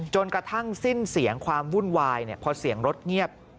จนกระทั่งสิ้นเสียงความวุ่นวายพอเสียงรถเงียบ